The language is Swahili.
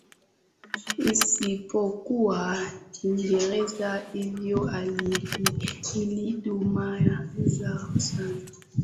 isipokuwa kiingereza Hivyo hali hii ilidumaza sana